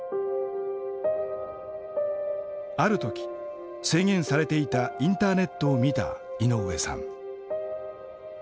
ある時制限されていたインターネットを見た井上さん。